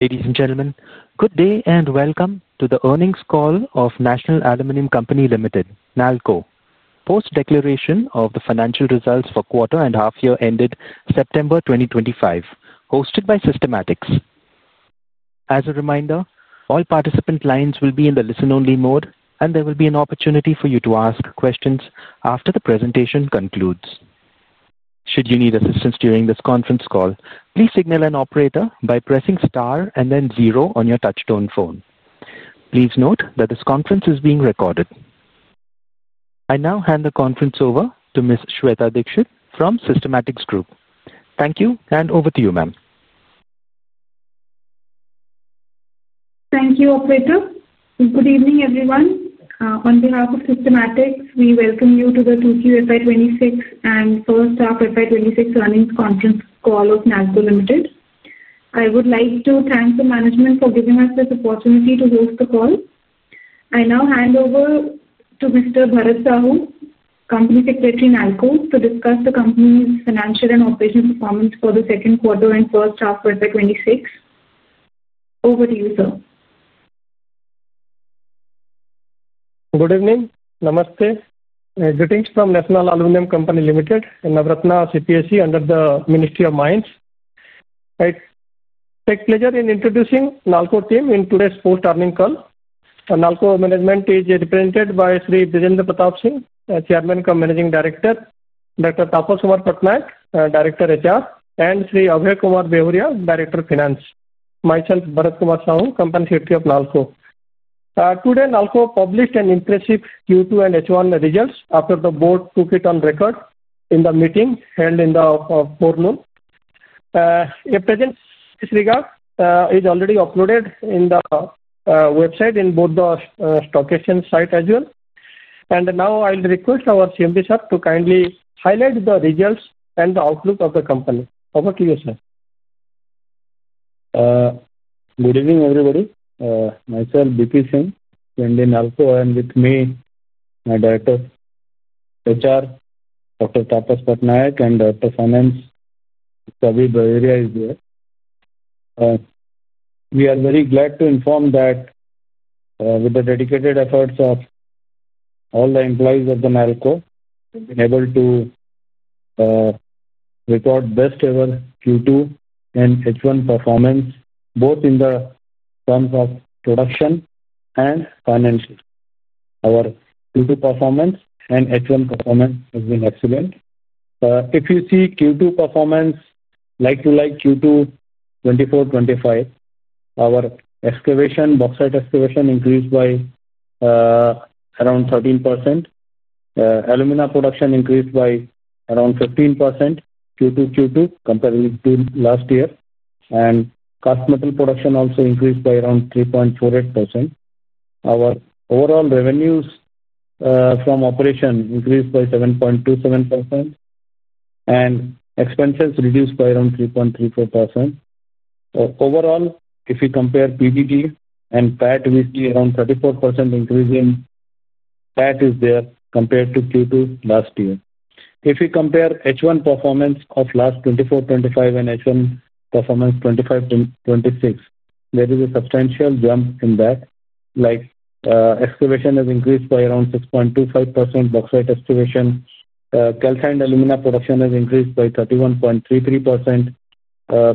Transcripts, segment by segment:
Ladies and gentlemen, good day and welcome to the earnings call of National Aluminium Company Limited, NALCO. Post-declaration of the financial results for quarter and half-year ended September 2025, hosted by Systematix. As a reminder, all participant lines will be in the listen-only mode, and there will be an opportunity for you to ask questions after the presentation concludes. Should you need assistance during this conference call, please signal an operator by pressing star and then zero on your touch-tone phone. Please note that this conference is being recorded. I now hand the conference over to Ms. Shweta Dikshit from Systematixs Group. Thank you, and over to you, ma'am. Thank you, Operator. Good evening, everyone. On behalf of Systematics, we welcome you to the 2Q FY 2026 and first half FI 2026 earnings conference call of NALCO. I would like to thank the management for giving us this opportunity to host the call. I now hand over to Mr. Bharat Kumar Sahu, Company Secretary NALCO, to discuss the company's financial and operational performance for the second quarter and first half of FY 2026. Over to you, sir. Good evening. Namaste. Greetings from National Aluminium Company Limited, a Navratna CPSE under the Ministry of Mines. I take pleasure in introducing the NALCO team in today's post-earnings call. NALCO management is represented by Shri Brijendra Pratap Singh, Chairman and Managing Director; Dr. Thapos Kumar Pattanayak, Director HR; and Shri Abhay Kumar Behuria, Director Finance. Myself, Bharat Kumar Sahu, Company Secretary of NALCO. Today, NALCO published impressive Q2 and H1 results after the board took it on record in the meeting held in the afternoon. A present regard is already uploaded on the website and in the stock exchange site as well. Now, I'll request our CMD sir to kindly highlight the results and the outlook of the company. Over to you, sir. Good evening, everybody. Myself, BP Singh, with NALCO, and with me, my Director of HR, Dr. Thapos Pattanayak, and Director of Finance, Mr. Abhay Behuria, is here. We are very glad to inform that with the dedicated efforts of all the employees of NALCO, we have been able to record best-ever Q2 and H1 performance, both in the terms of production and financial. Our Q2 performance and H1 performance have been excellent. If you see Q2 performance, like-to-like Q2 2024-2025, our excavation, bauxite excavation, increased by around 13%. Alumina production increased by around 15% Q2-Q2 compared to last year. Cast metal production also increased by around 3.48%. Our overall revenues from operation increased by 7.27%, and expenses reduced by around 3.34%. Overall, if you compare PBT and PAT, we see around 34% increase in PAT is there compared to Q2 last year. If you compare H1 performance of last 2024-2025 and H1 performance 2025-2026, there is a substantial jump in that. Like excavation has increased by around 6.25%, bauxite excavation, calcined alumina production has increased by 31.33%,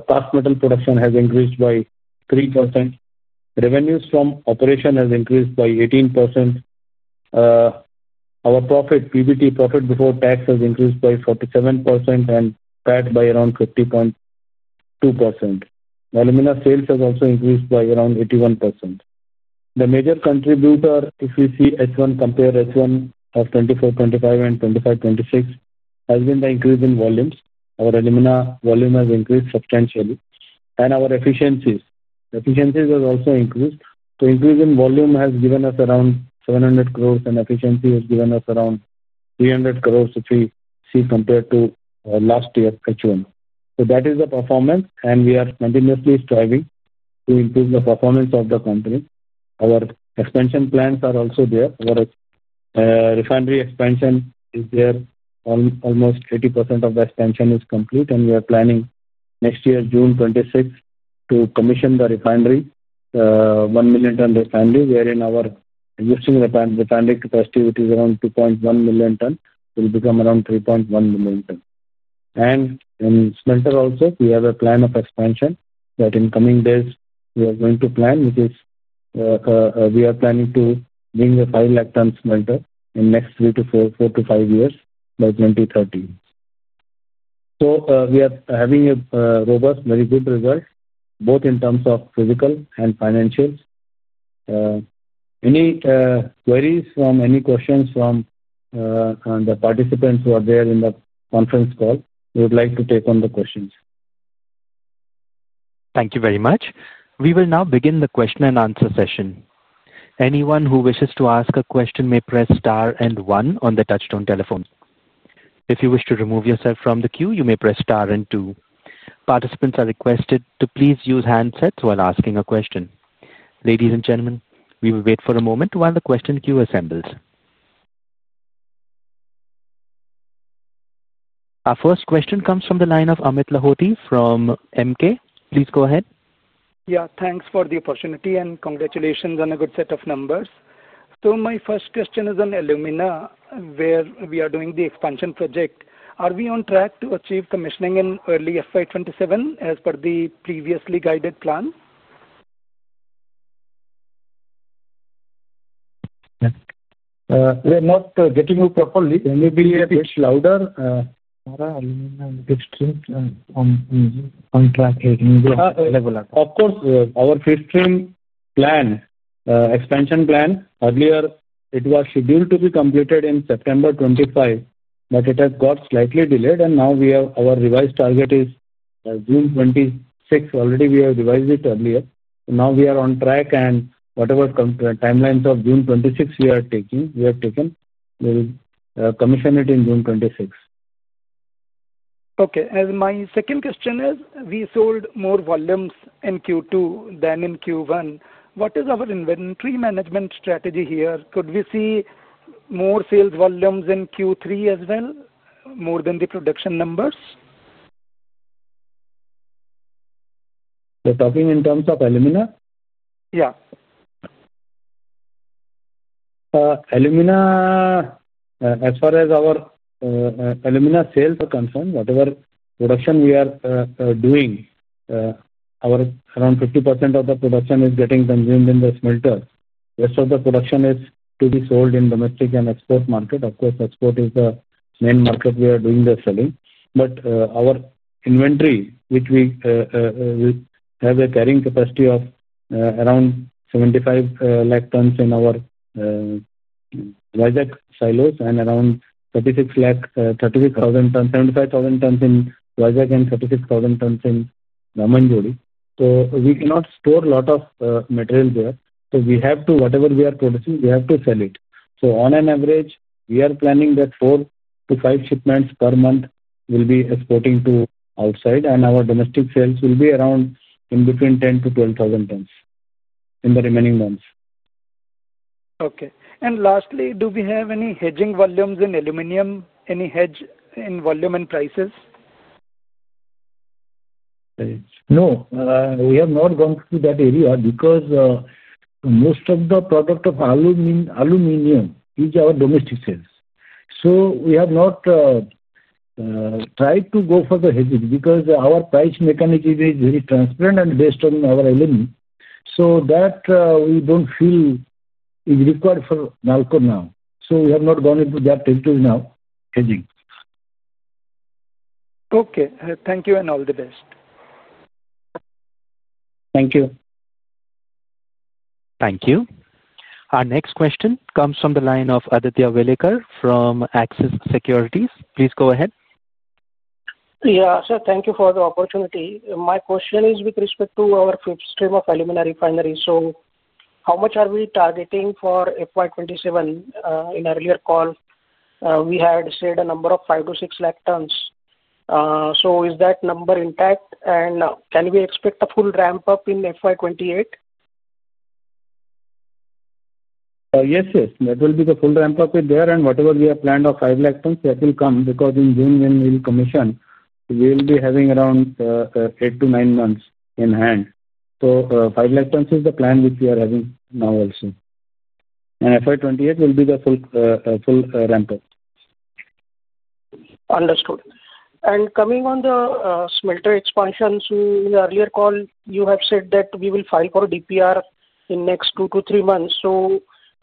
cast metal production has increased by 3%. Revenues from operation have increased by 18%. Our profit, PBT profit before tax, has increased by 47% and PAT by around 50.2%. Alumina sales have also increased by around 81%. The major contributor, if we see H1 compare H1 of 2024-2025 and 2025-2026, has been the increase in volumes. Our alumina volume has increased substantially. And our efficiencies. Efficiencies have also increased. The increase in volume has given us around 700 crore, and efficiency has given us around 300 crore if we see compared to last year's H1. That is the performance, and we are continuously striving to improve the performance of the company. Our expansion plans are also there. Our refinery expansion is there. Almost 80% of the expansion is complete, and we are planning next year, June 2026, to commission the refinery, 1 million ton refinery, wherein our existing refinery capacity, which is around 2.1 million ton, will become around 3.1 million ton. In smelter also, we have a plan of expansion that in coming days we are going to plan, which is we are planning to bring a 500,000 ton smelter in the next 3-4-5 years by 2030. We are having a robust, very good result, both in terms of physical and financial. Any queries from any questions from the participants who are there in the conference call, we would like to take on the questions. Thank you very much. We will now begin the question and answer session. Anyone who wishes to ask a question may press star and one on the touch-tone telephone. If you wish to remove yourself from the queue, you may press star and two. Participants are requested to please use handsets while asking a question. Ladies and gentlemen, we will wait for a moment while the question queue assembles. Our first question comes from the line of Amit Lahoti from Emkay. Please go ahead. Yeah, thanks for the opportunity and congratulations on a good set of numbers. My first question is on alumina, where we are doing the expansion project. Are we on track to achieve commissioning in early FY 2027 as per the previously guided plan? We are not getting you properly. Can you be a bit louder? Of course. Our expansion plan, earlier, it was scheduled to be completed in September 2025, but it has got slightly delayed, and now our revised target is June 2026. Already, we have revised it earlier. Now we are on track, and whatever timelines of June 2026 we are taking, we have taken, we will commission it in June 2026. Okay. My second question is, we sold more volumes in Q2 than in Q1. What is our inventory management strategy here? Could we see more sales volumes in Q3 as well, more than the production numbers? You're talking in terms of alumina? Yeah. Alumina, as far as our alumina sales are concerned, whatever production we are doing, around 50% of the production is getting consumed in the smelter. The rest of the production is to be sold in the domestic and export market. Of course, export is the main market we are doing the selling. Our inventory, which we have a carrying capacity of around 75,000 tons in our Vizag silos and around 36,000 tons, 75,000 tons in Vizag and 36,000 tons in Ramagundam. We cannot store a lot of materials there. We have to, whatever we are producing, we have to sell it. On average, we are planning that four to five shipments per month will be exporting to outside, and our domestic sales will be around in between 10,000-12,000 tons in the remaining months. Okay. Lastly, do we have any hedging volumes in aluminum? Any hedge in volume and prices? No. We have not gone through that area because most of the product of aluminium is our domestic sales. We have not tried to go for the hedging because our price mechanism is very transparent and based on our alumina. We do not feel it is required for NALCO now. We have not gone into that, into now, hedging. Okay. Thank you and all the best. Thank you. Thank you. Our next question comes from the line of Aditya Welekar from Axis Securities. Please go ahead. Yeah, sir, thank you for the opportunity. My question is with respect to our fifth stream of alumina refinery. How much are we targeting for FY 2027? In earlier call, we had said a number of 500,000-600,000 tons. Is that number intact? Can we expect a full ramp-up in FY 2028? Yes, yes. That will be the full ramp-up there. Whatever we have planned of 500,000 tons, that will come because in June, when we will commission, we will be having around eight to nine months in hand. 500,000 tons is the plan which we are having now also. FY 2028 will be the full ramp-up. Understood. Coming on the smelter expansions, in earlier call, you have said that we will file for DPR in the next two to three months.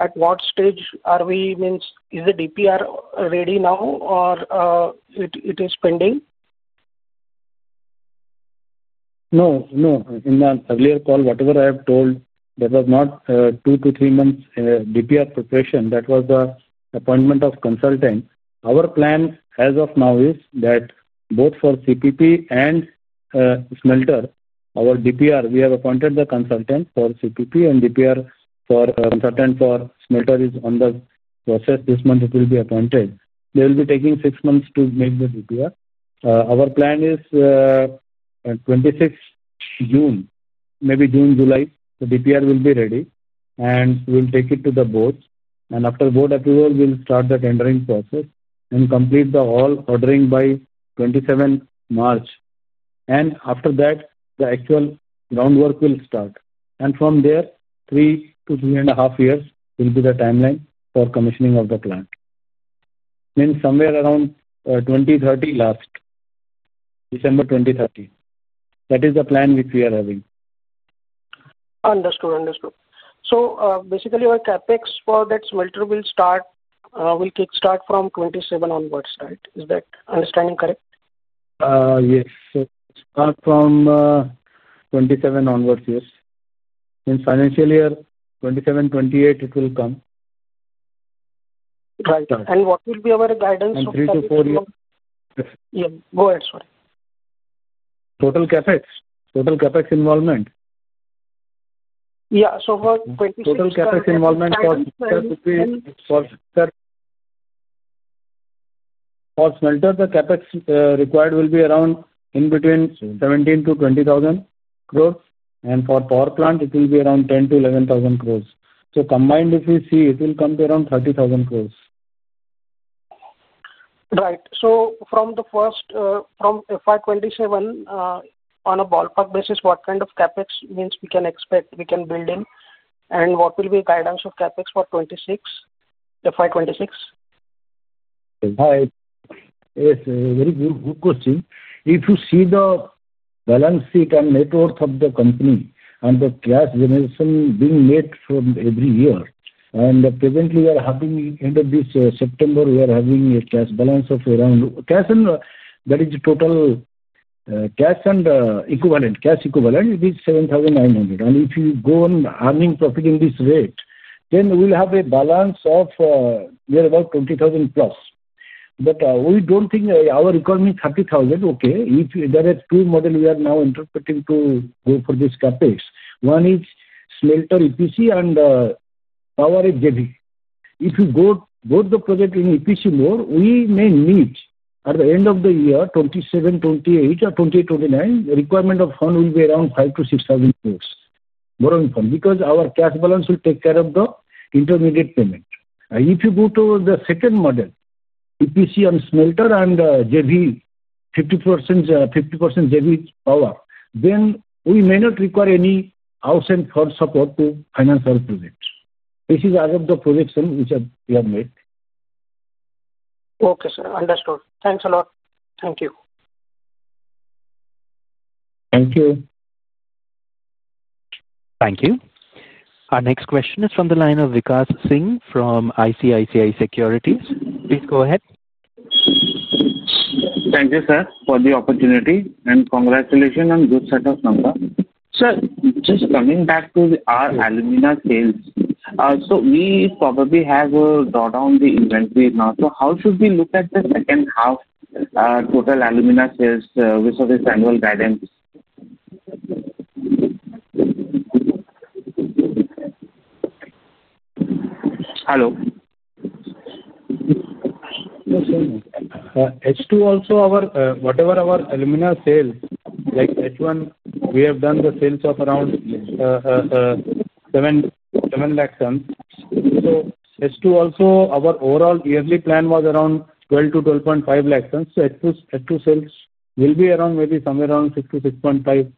At what stage are we? Means, is the DPR ready now, or it is pending? No, no. In the earlier call, whatever I have told, that was not two to three months DPR preparation. That was the appointment of consultant. Our plan as of now is that both for CPP and smelter, our DPR, we have appointed the consultant for CPP and DPR for consultant for smelter is on the process. This month, it will be appointed. They will be taking six months to make the DPR. Our plan is 26 June, maybe June, July, the DPR will be ready, and we will take it to the board. After board approval, we will start the tendering process and complete all ordering by 27 March. After that, the actual groundwork will start. From there, three to three and a half years will be the timeline for commissioning of the plant. Means somewhere around 2030, last December 2030. That is the plan which we are having. Understood, understood. So basically, our CapEx for that smelter will start, will kickstart from 2027 onwards, right? Is that understanding correct? Yes. Start from 2027 onwards, yes. Means financial year 2027, 2028, it will come. Right. What will be our guidance? In three to four years. Yeah. Go ahead. Sorry. Total CapEx? Total CapEx involvement? Yeah. So for 2026. Total CapEx involvement for smelter, the CapEx required will be around in between 17,000 crore-20,000 crore. And for power plants, it will be around 10,000-11,000 crore. So combined, if we see, it will come to around 30,000 crore. Right. From the first, from FY 2027, on a ballpark basis, what kind of CapEx means we can expect, we can build in? What will be the guidance of CapEx for FY 2026? Yes, very good question. If you see the balance sheet and net worth of the company and the cash generation being made from every year, and presently, we are having end of this September, we are having a cash balance of around cash, and that is total cash and equivalent, cash equivalent, it is 7,900 crore. And if you go on earning profit in this rate, then we will have a balance of near about 20,000 crore plus. We do not think our requirement is 30,000 crore, okay? There are two models we are now interpreting to go for this CapEx. One is smelter EPC and power EPC. If you go to the project in EPC mode, we may need at the end of the year, 2027, 2028, or 2029, the requirement of fund will be around 5,000-6,000 crore borrowing fund because our cash balance will take care of the intermediate payment. If you go to the second model, EPC and smelter and JV, 50% JV power, then we may not require any outside fund support to finance our project. This is out of the projection which we have made. Okay, sir. Understood. Thanks a lot. Thank you. Thank you. Thank you. Our next question is from the line of Vikas Singh from ICICI Securities. Please go ahead. Thank you, sir, for the opportunity. Congratulations and good set of numbers. Sir, just coming back to our alumina sales. So we probably have drawn down the inventory now. How should we look at the second half total alumina sales with this annual guidance? Hello? H2 also, whatever our alumina sales, like H1, we have done the sales of around 700,000 tons. H2 also, our overall yearly plan was around 1.2-1.25 million tons. H2 sales will be around maybe somewhere around 600,000-650,000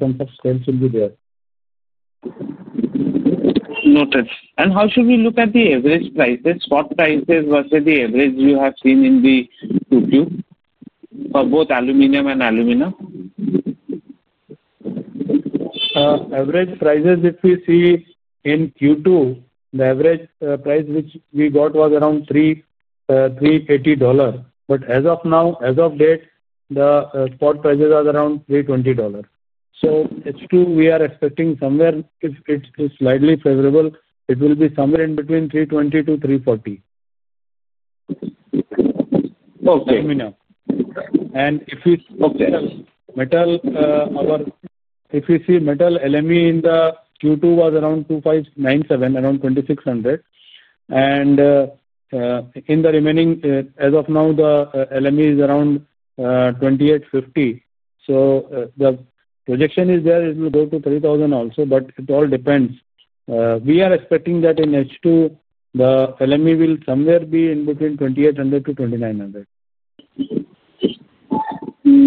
tons of sales should be there. Noted. How should we look at the average prices? What prices was the average you have seen in the Q2 for both aluminium and alumina? Average prices, if we see in Q2, the average price which we got was around $380. As of now, as of date, the spot prices are around $320. H2, we are expecting somewhere, if it is slightly favorable, it will be somewhere in between $320-$340. Okay. Alumina. If we see metal, if we see metal LME in the Q2 was around $2,597, around $2,600. In the remaining, as of now, the LME is around $2,850. The projection is there it will go to $3,000 also, but it all depends. We are expecting that in H2, the LME will somewhere be in between $2,800-$2,900.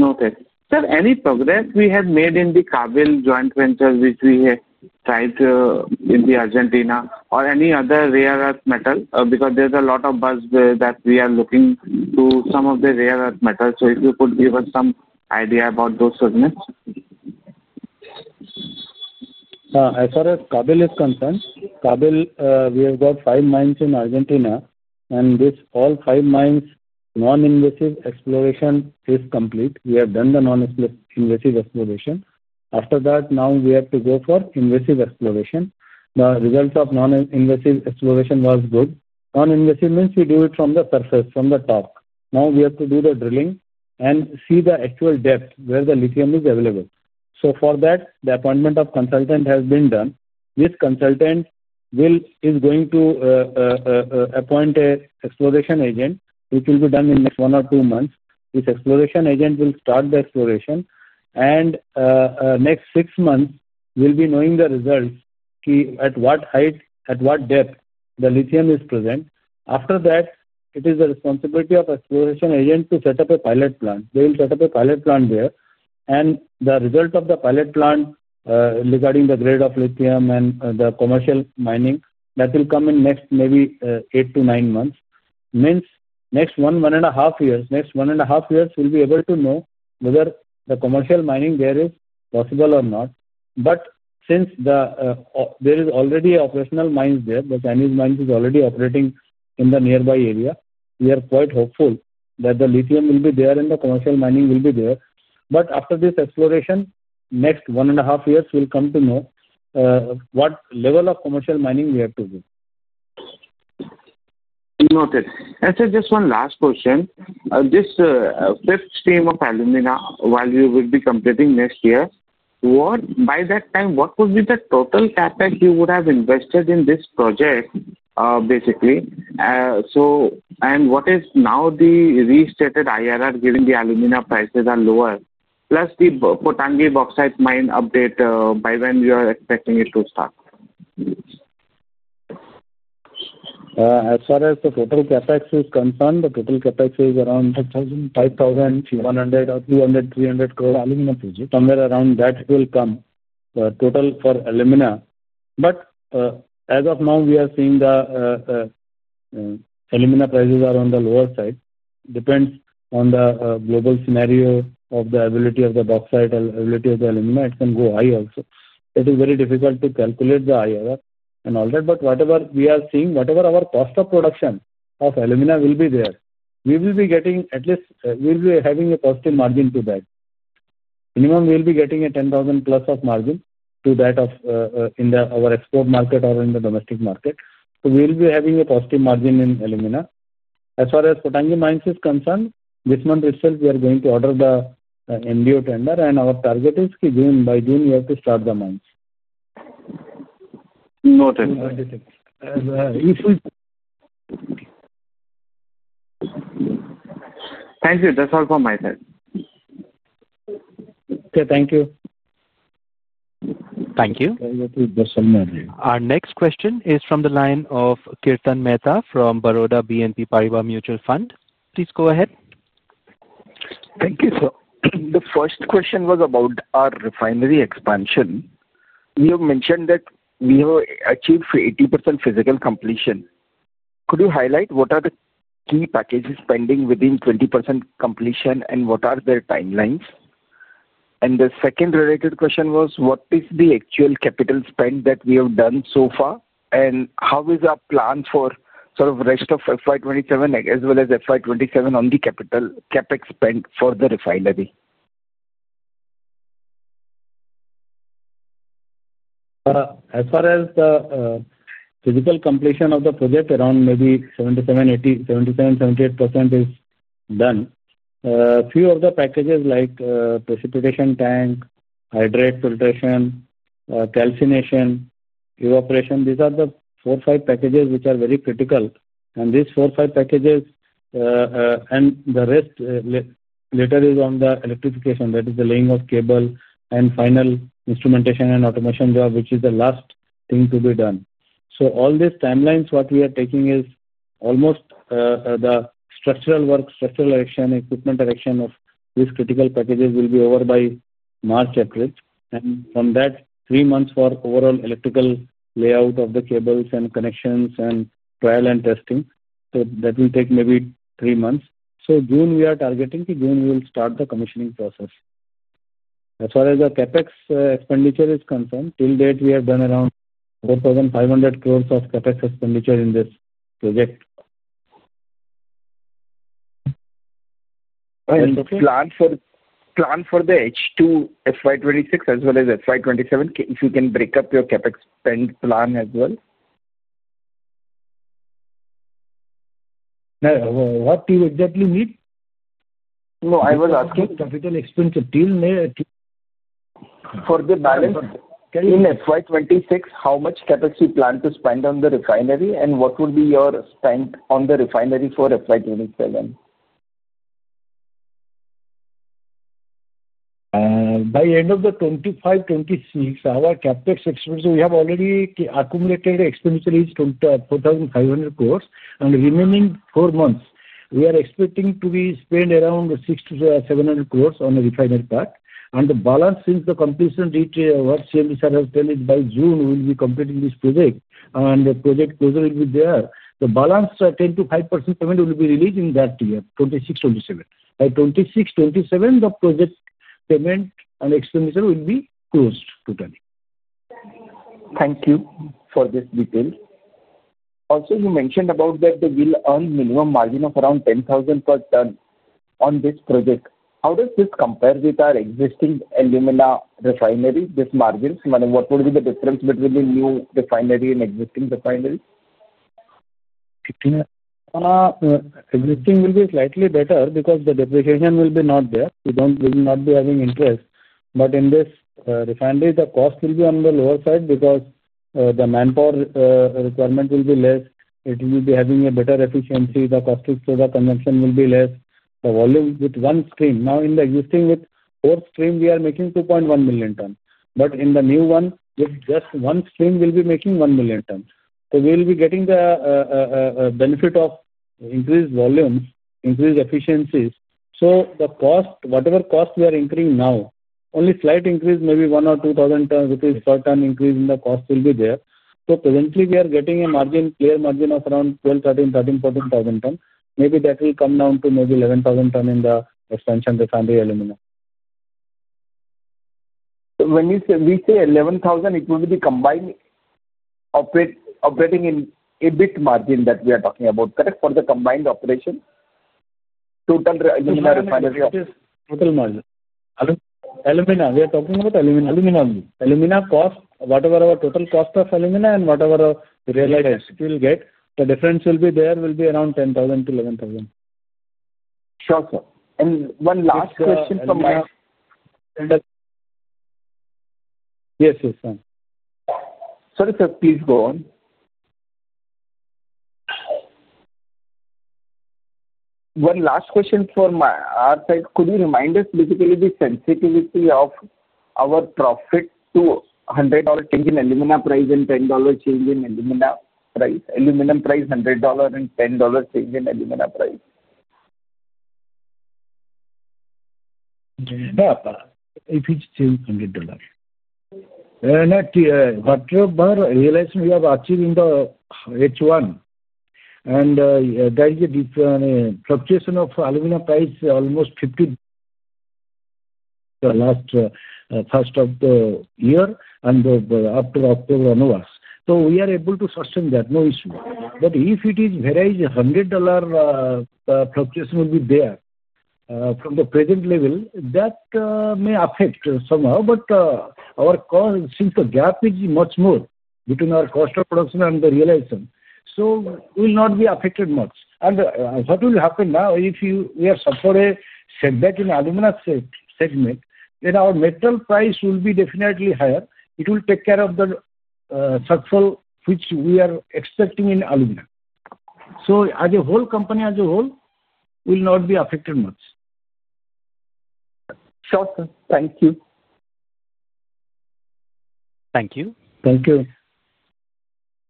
Okay. Sir, any progress we have made in the CAMYEN Joint Venture, which we have tried in Argentina, or any other rare earth metal? Because there's a lot of buzz that we are looking to some of the rare earth metals. If you could give us some idea about those segments. As far as CAMYEN is concerned, CAMYEN, we have got five mines in Argentina. With all five mines, non-invasive exploration is complete. We have done the non-invasive exploration. After that, now we have to go for invasive exploration. The result of non-invasive exploration was good. Non-invasive means we do it from the surface, from the top. Now we have to do the drilling and see the actual depth where the lithium is available. For that, the appointment of consultant has been done. This consultant is going to appoint an exploration agent, which will be done in the next one or two months. This exploration agent will start the exploration. In the next six months, we'll be knowing the results at what height, at what depth the lithium is present. After that, it is the responsibility of the exploration agent to set up a pilot plant. They will set up a pilot plant there. The result of the pilot plant regarding the grade of lithium and the commercial mining, that will come in next maybe eight to nine months. That means next one, one and a half years, next one and a half years, we'll be able to know whether the commercial mining there is possible or not. Since there are already operational mines there, the Chinese mines are already operating in the nearby area, we are quite hopeful that the lithium will be there and the commercial mining will be there. After this exploration, next one and a half years, we'll come to know what level of commercial mining we have to do. Noted. Sir, just one last question. This fifth stream of alumina, while we will be completing next year, by that time, what would be the total CapEx you would have invested in this project, basically? What is now the restated IRR given the alumina prices are lower? Plus the Pottangi bauxite mine update, by when you are expecting it to start? As far as the total CapEx is concerned, the total CapEx is around 5,000, 100, 200, 300 crore alumina project. Somewhere around that will come total for alumina. As of now, we are seeing the alumina prices are on the lower side. Depends on the global scenario of the ability of the bauxite, ability of the alumina. It can go high also. It is very difficult to calculate the IRR and all that. Whatever we are seeing, whatever our cost of production of alumina will be there, we will be getting at least we'll be having a positive margin to that. Minimum, we'll be getting a 10,000 plus of margin to that of our export market or in the domestic market. We will be having a positive margin in alumina. As far as Pottangi mines is concerned, this month itself, we are going to order the MDO tender. Our target is by June, we have to start the mines. Noted. Thank you. That's all from my side. Okay. Thank you. Thank you. Our next question is from the line of Kirtan Mehta from Baroda BNP Paribas Mutual Fund. Please go ahead. Thank you, sir. The first question was about our refinery expansion. You have mentioned that we have achieved 80% physical completion. Could you highlight what are the key packages pending within 20% completion and what are their timelines? The second related question was, what is the actual capital spend that we have done so far? How is our plan for sort of rest of FY 2027 as well as FY 2027 on the capital CapEx spend for the refinery? As far as the physical completion of the project, around maybe 77-78% is done. A few of the packages like precipitation tank, hydrate filtration, calcination, evaporation, these are the four, five packages which are very critical. These four, five packages and the rest later is on the electrification, that is the laying of cable and final instrumentation and automation job, which is the last thing to be done. All these timelines, what we are taking is almost the structural work, structural action, equipment action of these critical packages will be over by March or April. From that, three months for overall electrical layout of the cables and connections and trial and testing. That will take maybe three months. June, we are targeting to June we will start the commissioning process. As far as the CapEx expenditure is concerned, till date, we have done around 4,500 crore of CapEx expenditure in this project. The plan for the H2 FY 2026 as well as FY 2027, if you can break up your CapEx spend plan as well? What do you exactly mean? No, I was asking capital expenditure till May. For the balance in FY 2026, how much CapEx you plan to spend on the refinery and what would be your spend on the refinery for FY 2027? By end of 2025-2026, our CapEx expenditure, we have already accumulated expenditure is 4,500 crore. In the remaining four months, we are expecting to be spent around 600-700 crore on the refinery part. The balance, since the completion date as EPC contractor as told, is by June we will be completing this project and the project closure will be there. The balance 10-5% payment will be released in that year, 2026-2027. By 2026-2027, the project payment and expenditure will be closed totally. Thank you for this detail. Also, you mentioned about that they will earn minimum margin of around 10,000 per ton on this project. How does this compare with our existing alumina refinery, this margin? What would be the difference between the new refinery and existing refinery? Existing will be slightly better because the depreciation will be not there. We will not be having interest. In this refinery, the cost will be on the lower side because the manpower requirement will be less. It will be having a better efficiency. The cost of the consumption will be less. The volume with one stream. Now in the existing with four stream, we are making 2.1 million ton. In the new one, with just one stream, we'll be making 1 million ton. We'll be getting the benefit of increased volume, increased efficiencies. The cost, whatever cost we are increasing now, only slight increase, maybe 1,000 or 2,000 ton, which is short-term increase in the cost will be there. Presently, we are getting a clear margin of around $12,000, $13,000, $14,000 ton. Maybe that will come down to maybe 11,000 ton in the expansion refinery alumina. When you say 11,000, it would be the combined operating in EBIT margin that we are talking about, correct? For the combined operation, total alumina refinery cost? Alumina, we are talking about alumina. Alumina. Alumina cost, whatever our total cost of alumina and whatever rare earth we'll get, the difference will be there will be around 10,000-11,000. Sure, sir. One last question from my side. Yes, yes, sir. Sorry, sir, please go on. One last question for my side. Could you remind us basically the sensitivity of our profit to $100 change in alumina price and $10 change in alumina price? Aluminum price $100 and $10 change in alumina price. Yeah, if it's $200. Whatever realization we have achieved in the H1. There is a fluctuation of alumina price, almost 50 last first of the year, and after October onwards. We are able to sustain that, no issue. If it is very $100 fluctuation from the present level, that may affect somehow. Our cost, since the gap is much more between our cost of production and the realization, we will not be affected much. What will happen now, if we have supported segment in alumina segment, then our metal price will be definitely higher. It will take care of the success which we are expecting in alumina. As a whole, company as a whole will not be affected much. Sure, sir. Thank you. Thank you. Thank you.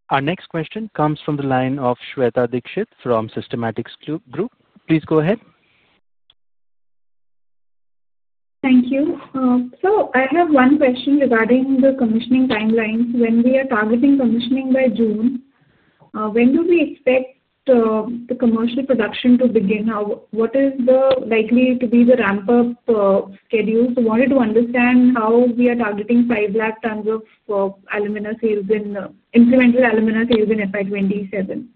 Our next question comes from the line of Shwetha Dikshit from Systematics Group. Please go ahead. Thank you. I have one question regarding the commissioning timelines. When we are targeting commissioning by June, when do we expect the commercial production to begin? What is likely to be the ramp-up schedule? I wanted to understand how we are targeting 500,000 tons of alumina sales in implemented alumina sales in FY 2027.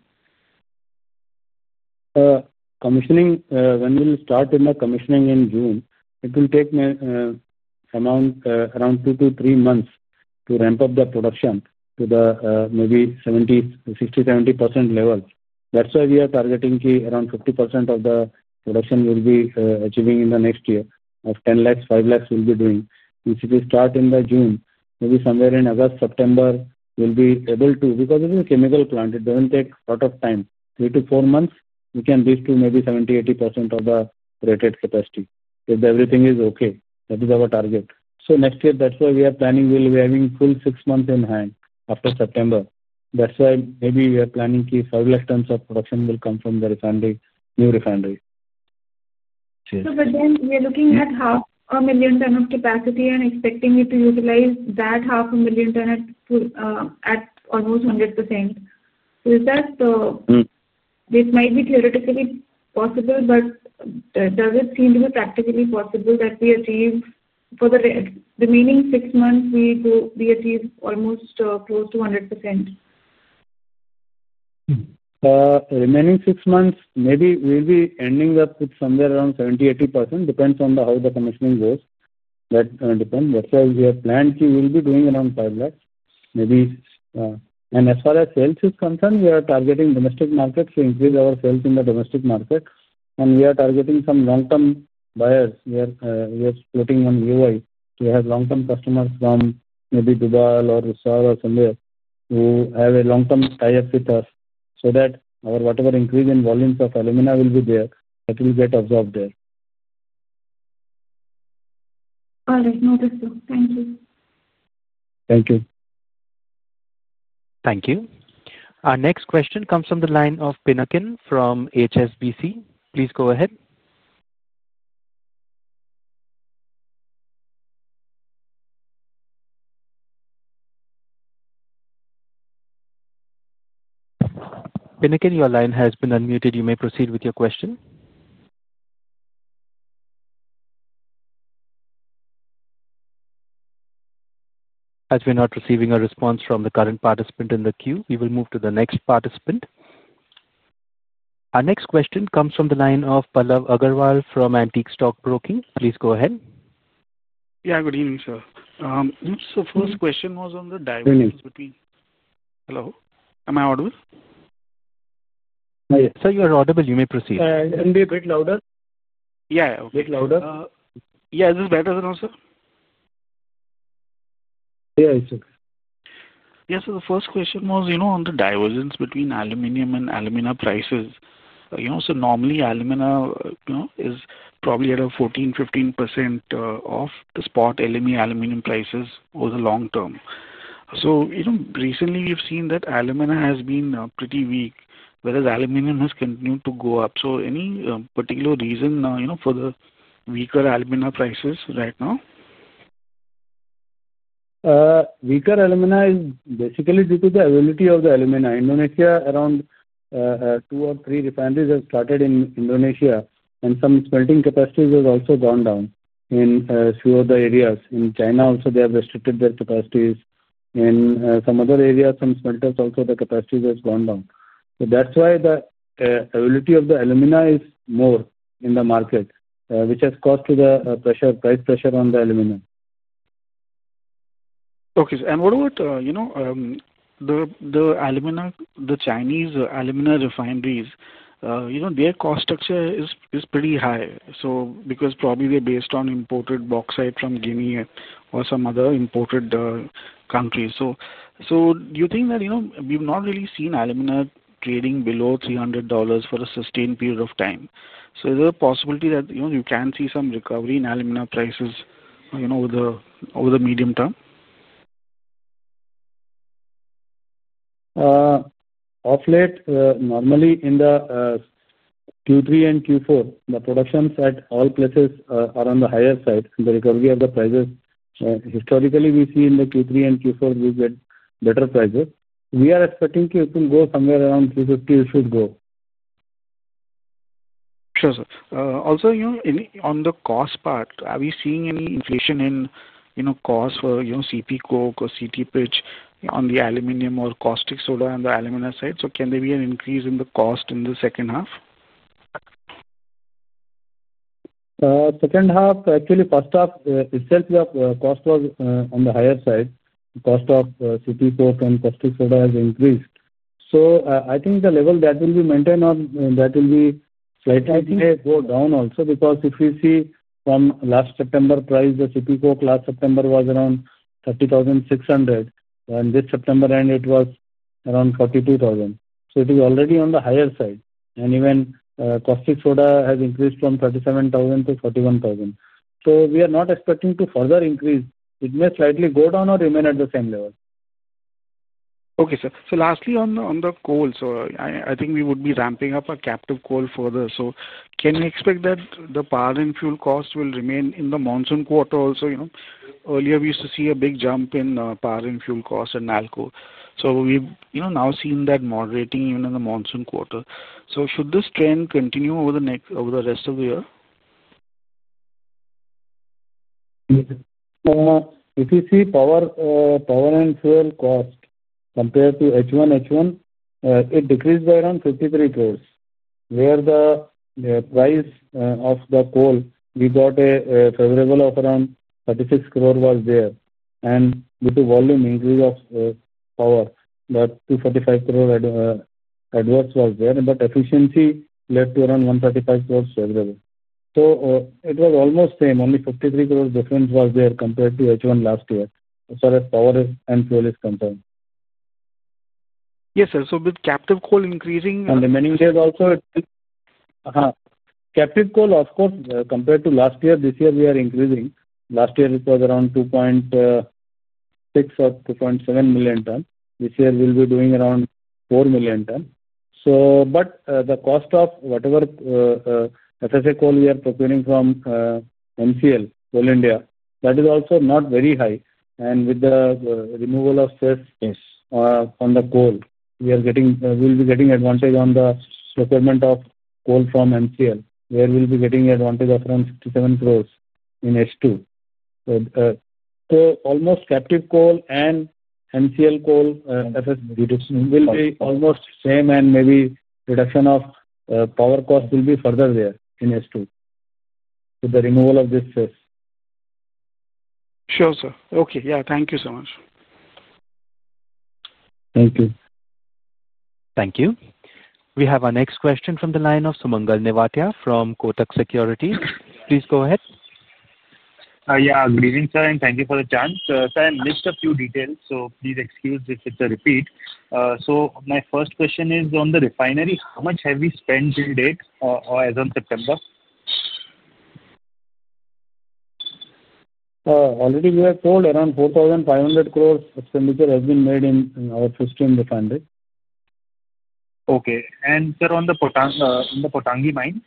Commissioning, when we will start in the commissioning in June, it will take around two to three months to ramp up the production to maybe 60-70% level. That's why we are targeting around 50% of the production we'll be achieving in the next year of 1 million, 500,000 we'll be doing. If we start in June, maybe somewhere in August, September, we'll be able to because it is a chemical plant. It doesn't take a lot of time. Three to four months, we can reach to maybe 70-80% of the rated capacity if everything is okay. That is our target. Next year, that's why we are planning. We'll be having full six months in hand after September. That's why maybe we are planning 500,000 tons of production will come from the refinery, new refinery. Again, we are looking at 500,000 ton of capacity and expecting you to utilize that 500,000 ton at almost 100%. Is that, it might be theoretically possible, but does it seem to be practically possible that we achieve for the remaining six months, we achieve almost close to 100%? Remaining six months, maybe we'll be ending up with somewhere around 70-80%. Depends on how the commissioning goes. That depends. That is why we have planned we will be doing around 500,000. As far as sales is concerned, we are targeting domestic markets to increase our sales in the domestic market. We are targeting some long-term buyers. We are splitting on UI. We have long-term customers from maybe Dubai or Rusal or somewhere who have a long-term tie-up with us. Whatever increase in volumes of alumina will be there, that will get absorbed there. All right. Noted, sir. Thank you. Thank you. Thank you. Our next question comes from the line of Pinakin from HSBC. Please go ahead. Pinakin, your line has been unmuted. You may proceed with your question. As we are not receiving a response from the current participant in the queue, we will move to the next participant. Our next question comes from the line of Pallav Agarwal from Antique Stock Broking. Please go ahead. Yeah, good evening, sir. First question was on the divergence between. Good evening. Hello. Am I audible? Sir, you are audible. You may proceed. Can you be a bit louder? Yeah, okay. A bit louder. Yeah, is this better now, sir? Yeah, it's okay. Yeah, so the first question was on the divergence between aluminium and alumina prices. Normally, alumina is probably at a 14-15% off the spot alumina aluminium prices over the long term. Recently, we have seen that alumina has been pretty weak, whereas aluminium has continued to go up. Any particular reason for the weaker alumina prices right now? Weaker alumina is basically due to the ability of the alumina. Around two or three refineries have started in Indonesia, and some smelting capacity has also gone down in a few of the areas. In China also, they have restricted their capacities. In some other areas, some smelters also, the capacity has gone down. That is why the ability of the alumina is more in the market, which has caused to the price pressure on the alumina. Okay. What about the Chinese alumina refineries? Their cost structure is pretty high because probably they are based on imported bauxite from Guinea or some other imported countries. Do you think that we have not really seen alumina trading below $300 for a sustained period of time? Is there a possibility that you can see some recovery in alumina prices over the medium term? Off late, normally in the Q3 and Q4, the productions at all places are on the higher side. The recovery of the prices, historically, we see in the Q3 and Q4, we get better prices. We are expecting to go somewhere around $350, it should go. Sure, sir. Also, on the cost part, are we seeing any inflation in cost for CPC, COC, or CT Pitch on the aluminum or caustic soda on the alumina side? Can there be an increase in the cost in the second half? Second half, actually, first half, itself, the cost was on the higher side. The cost of CPC and caustic soda has increased. I think the level that will be maintained on that will be slightly go down also because if we see from last September price, the CPC last September was around 30,600. This September end, it was around 42,000. It is already on the higher side. Even caustic soda has increased from 37,000 to 41,000. We are not expecting to further increase. It may slightly go down or remain at the same level. Okay, sir. Lastly, on the coal, I think we would be ramping up our captive coal further. Can we expect that the power and fuel cost will remain in the monsoon quarter also? Earlier, we used to see a big jump in power and fuel cost in NALCO. We have now seen that moderating even in the monsoon quarter. Should this trend continue over the rest of the year? If you see power and fuel cost compared to H1, H1, it decreased by around 53 crore, where the price of the coal we got a favorable of around 36 crore was there. Due to volume increase of power, that 245 crore adverse was there. Efficiency led to around 135 crore favorable. It was almost the same, only 53 crore difference was there compared to H1 last year, as far as power and fuel is concerned. Yes, sir. So with captive coal increasing. Remaining days also, captive coal, of course, compared to last year, this year we are increasing. Last year, it was around 2.6 or 2.7 million ton. This year, we will be doing around 4 million ton. The cost of whatever FSA coal we are procuring from MCL, Coal India, that is also not very high. With the removal of cess on the coal, we will be getting advantage on the procurement of coal from MCL, where we will be getting advantage of around 67 crore in H2. Almost captive coal and MCL coal will be almost same and maybe reduction of power cost will be further there in H2 with the removal of this cess. Sure, sir. Okay. Yeah, thank you so much. Thank you. Thank you. We have our next question from the line of Sumangal Nevatia from Kotak Securities. Please go ahead. Yeah, good evening, sir, and thank you for the chance. Sir, I missed a few details, so please excuse if it's a repeat. My first question is on the refinery, how much have we spent till date as of September? Already, we have told around 4,500 crore expenditure has been made in our 15 refineries. Okay. Sir, on the Pottangi mines?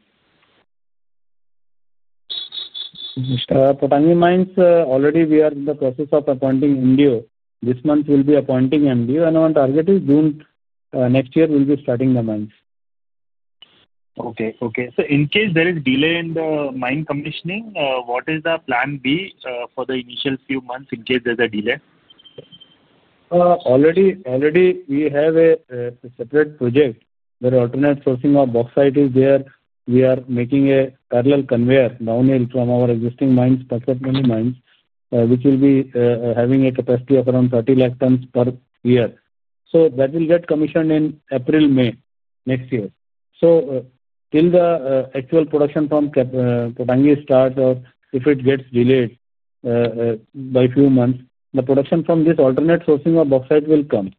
Pottangi mines, already we are in the process of appointing MDO. This month, we'll be appointing MDO, and our target is June next year, we'll be starting the mines. Okay, okay. In case there is delay in the mine commissioning, what is the plan B for the initial few months in case there's a delay? Already, we have a separate project where alternate sourcing of bauxite is there. We are making a parallel conveyor now from our existing mines, Panchpatmali mines, which will be having a capacity of around 3 million tons per year. That will get commissioned in April or May next year. Till the actual production from Pottangi starts or if it gets delayed by a few months, the production from this alternate sourcing of bauxite will come.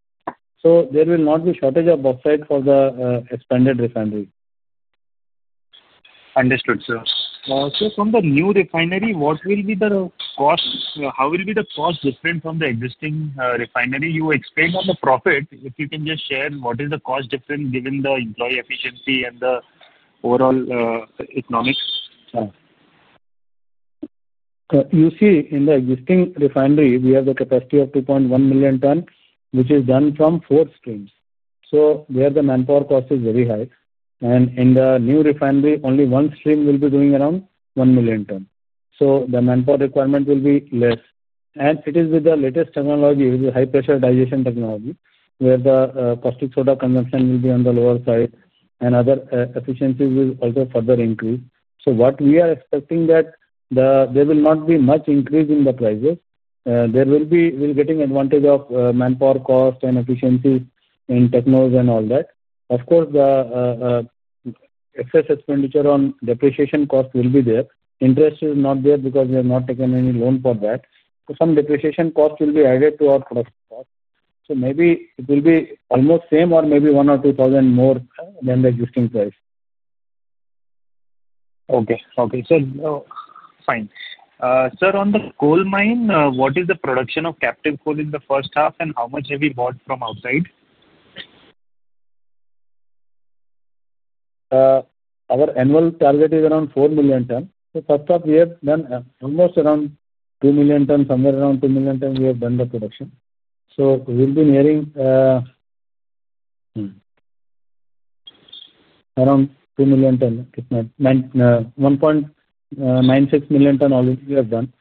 There will not be shortage of bauxite for the expanded refinery. Understood, sir. From the new refinery, what will be the cost? How will the cost be different from the existing refinery? You explained on the profit. If you can just share what is the cost difference given the employee efficiency and the overall economics? You see, in the existing refinery, we have the capacity of 2.1 million ton, which is done from four streams. Where the manpower cost is very high. In the new refinery, only one stream will be doing around 1 million ton. The manpower requirement will be less. It is with the latest technology, with the high-pressure digestion technology, where the caustic soda consumption will be on the lower side, and other efficiencies will also further increase. What we are expecting is that there will not be much increase in the prices. There will be getting advantage of manpower cost and efficiency in techno and all that. Of course, the excess expenditure on depreciation cost will be there. Interest is not there because we have not taken any loan for that. Some depreciation cost will be added to our cost. Maybe it will be almost the same or maybe 1 or 2 thousand more than the existing price. Okay, okay. So fine. Sir, on the coal mine, what is the production of captive coal in the first half, and how much have you bought from outside? Our annual target is around 4 million ton. First half, we have done almost around 2 million ton, somewhere around 2 million ton, we have done the production. We have been hearing around 2 million ton, 1.96 million ton already we have done.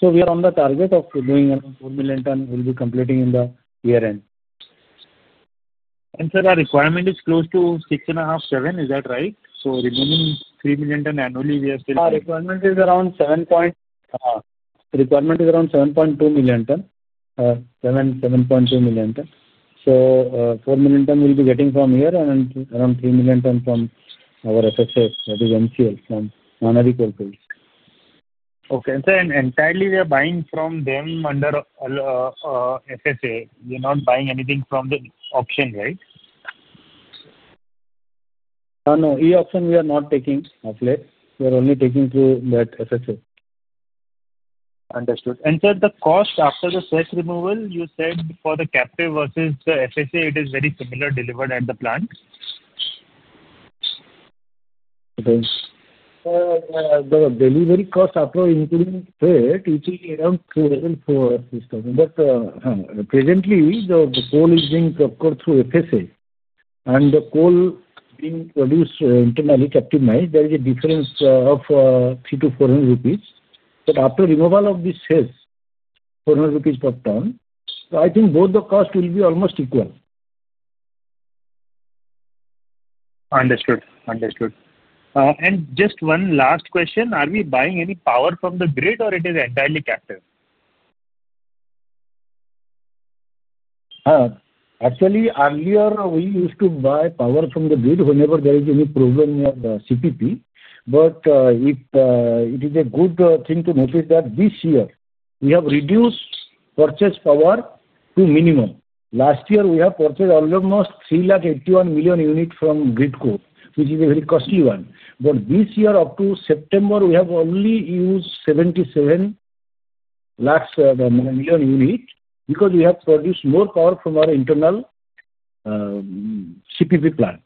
We are on the target of doing around 4 million ton, will be completing in the year end. Sir, our requirement is close to 6.5-7, is that right? The remaining 3 million ton annually, we have still. Our requirement is around 7.2 million ton. Seven, 7.2 million ton. So 4 million ton will be getting from here and around 3 million ton from our FSA, that is MCL, from Mahanadi Coalfields. Okay. And sir, entirely, we are buying from them under FSA. We are not buying anything from the option, right? No, no. E-auction, we are not taking of late. We are only taking through that FSA. Understood. Sir, the cost after the cess removal, you said for the captive versus the FSA, it is very similar delivered at the plant? The delivery cost after including CES, it is around 400,000. Presently, the coal is being brought through FSA, and the coal being produced internally, captive mines, there is a difference of 300-400 rupees. After removal of this CES, 400 rupees per ton. I think both the cost will be almost equal. Understood. Understood. Just one last question. Are we buying any power from the grid, or it is entirely captive? Actually, earlier, we used to buy power from the grid whenever there is any problem with the CPP. It is a good thing to notice that this year, we have reduced purchase power to minimum. Last year, we have purchased almost 381 million units from grid, which is a very costly one. This year, up to September, we have only used 7.7 million units because we have produced more power from our internal CPP plant.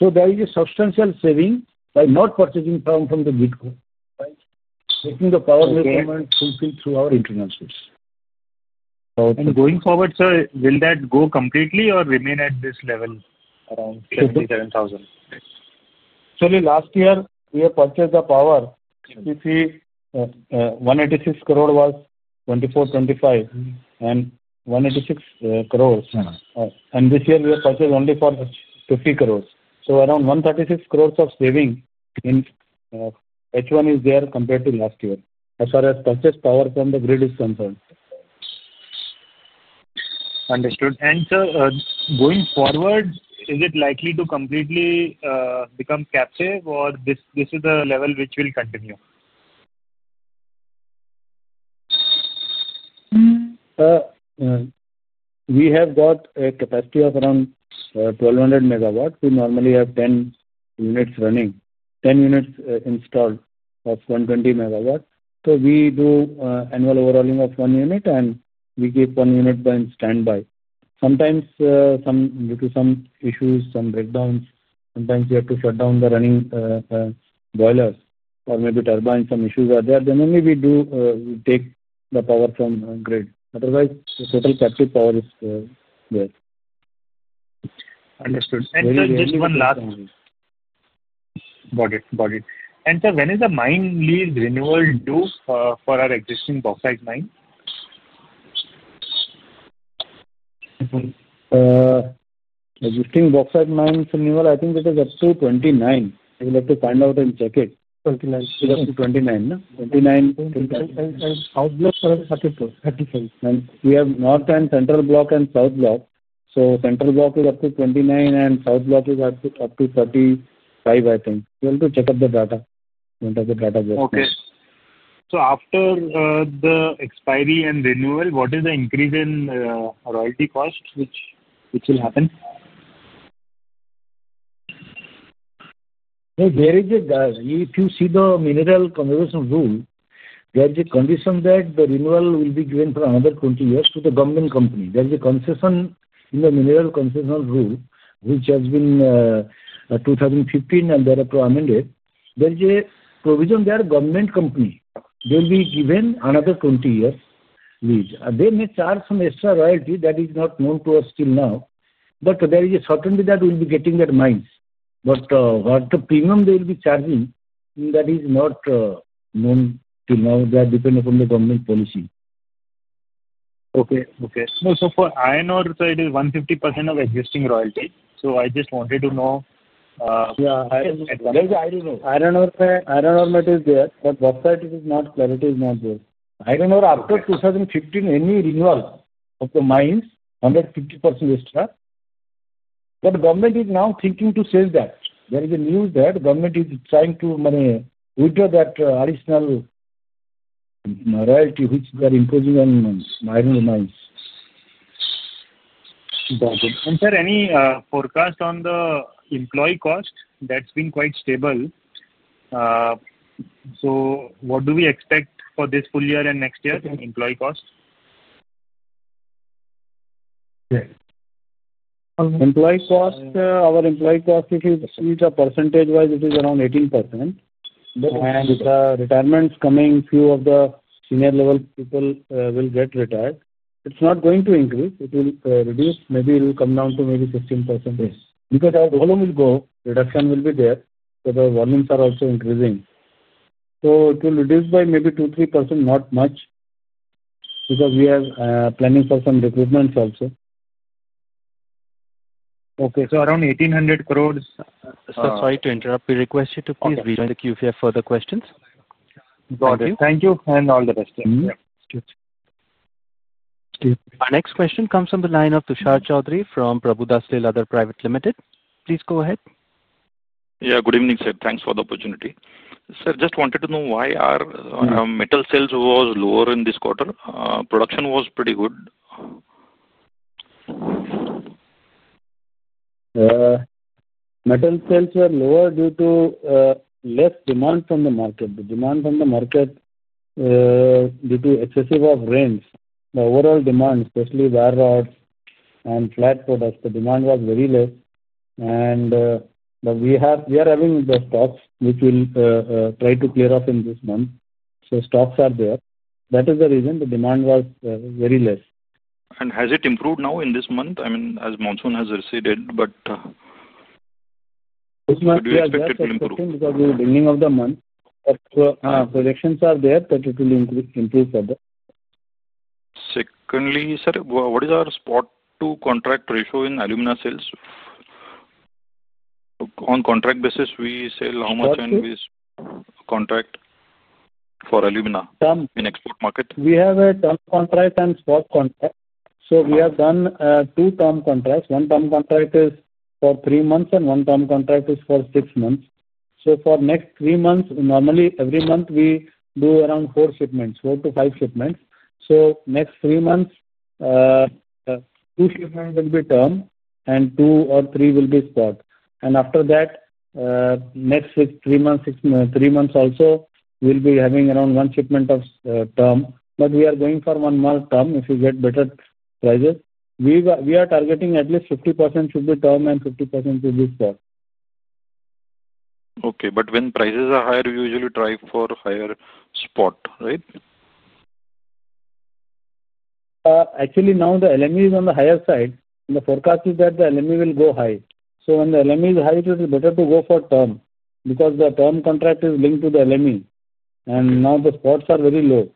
There is a substantial saving by not purchasing power from the grid, making the power movement something through our internal source. Going forward, sir, will that go completely or remain at this level around 77,000? Actually, last year, we have purchased the power CPP 186 crore was 2024, 2025, and 186 crore. This year, we have purchased only for 50 crore. So around 136 crore of saving in H1 is there compared to last year as far as purchased power from the grid is concerned. Understood. Sir, going forward, is it likely to completely become captive, or is this a level which will continue? We have got a capacity of around 1,200 MW. We normally have 10 units running, 10 units installed of 120 megawatts. We do annual overhauling of one unit, and we keep one unit standby. Sometimes, due to some issues, some breakdowns, sometimes we have to shut down the running boilers or maybe turbine, some issues are there. Only then do we take the power from grid. Otherwise, the total captive power is there. Understood. And sir, just one last. Got it. Got it. And sir, when is the mine lease renewal due for our existing bauxite mine? Existing bauxite mine renewal, I think it is up to 29. You'll have to find out and check it. 29. It is up to 29. How's the 35? We have north and central block and south block. Central block is up to 29, and south block is up to 35, I think. You have to check up the data. You want to have the data just. Okay. After the expiry and renewal, what is the increase in royalty cost? Which will happen? There is a, if you see the mineral conservation rule, there is a condition that the renewal will be given for another 20 years to the government company. There is a concession in the mineral concession rule, which has been 2015, and they are recommended. There is a provision there, government company. They will be given another 20 years lease. They may charge some extra royalty that is not known to us till now. There is a certainty that we'll be getting that mines. What the premium they will be charging, that is not known till now. That depends upon the government policy. Okay, okay. No, for iron ore side, it is 150% of existing royalty. I just wanted to know. Yeah, iron ore. There is iron ore. Iron ore is there, but bauxite is not. Clarity is not there. Iron ore after 2015, any renewal of the mines, 150% extra. The government is now thinking to save that. There is a news that government is trying to withdraw that additional royalty which they are imposing on iron ore mines. Got it. Sir, any forecast on the employee cost? That's been quite stable. What do we expect for this full year and next year, employee cost? Yes. Employee cost, our employee cost, if you see the percentage-wise, it is around 18%. With the retirements coming, few of the senior-level people will get retired. It is not going to increase. It will reduce. Maybe it will come down to maybe 15%. Because our volume will go, reduction will be there. The volumes are also increasing. It will reduce by maybe 2-3%, not much. Because we are planning for some recruitments also. Okay. So around 1,800 crore. Sir, sorry to interrupt. We request you to please rejoin the queue if you have further questions. Got it. Thank you. All the best. Our next question comes from the line of Tushar Chaudhari from Prabhudas Lilladher Private Limited. Please go ahead. Yeah, good evening, sir. Thanks for the opportunity. Sir, just wanted to know why our metal sales was lower in this quarter. Production was pretty good. Metal sales were lower due to less demand from the market. The demand from the market was due to excessive rains. The overall demand, especially wire rods and flat products, the demand was very less. We are having the stocks, which we'll try to clear off in this month. Stocks are there. That is the reason the demand was very less. Has it improved now in this month? I mean, as monsoon has receded, should we expect it to improve? This month, we are expecting because we are beginning of the month. Projections are there that it will improve further. Secondly, sir, what is our spot-to-contract ratio in alumina sales? On contract basis, we sell how much and we contract for alumina in export market? We have a term contract and spot contract. We have done two term contracts. One term contract is for three months, and one term contract is for six months. For the next three months, normally every month we do around four shipments, four to five shipments. For the next three months, two shipments will be term, and two or three will be spot. After that, the next three months also, we will be having around one shipment of term. We are going for one month term if we get better prices. We are targeting at least 50% should be term and 50% should be spot. Okay. When prices are higher, we usually try for higher spot, right? Actually, now the LME is on the higher side. The forecast is that the LME will go high. When the LME is high, it is better to go for term because the term contract is linked to the LME. Now the spots are very low.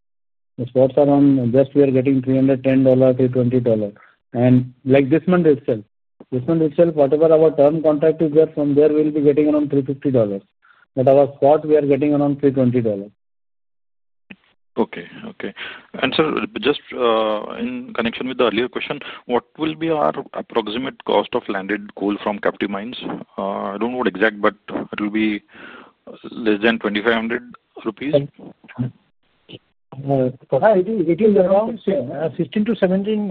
The spots are on just we are getting $310, $320. Like this month itself, this month itself, whatever our term contract is there, from there we will be getting around $350. Our spot, we are getting around $320. Okay, okay. Sir, just in connection with the earlier question, what will be our approximate cost of landed coal from captive mines? I do not know exact, but it will be less than 2,500 rupees? It is around 1,600-1,700